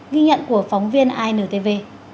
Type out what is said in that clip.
ghi nhận của phóng viên intv